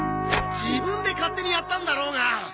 自分で勝手にやったんだろうが！